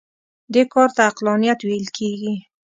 دې کار ته عقلانیت ویل کېږي.